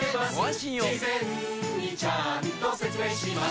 事前にちゃんと説明します